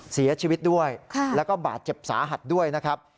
เสียชีวิตด้วยแล้วก็บาดเจ็บสาหัสด้วยนะครับ